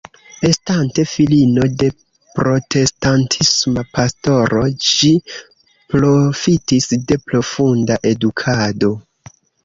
Estante filino de protestantisma pastoro ŝi profitis de profunda edukado.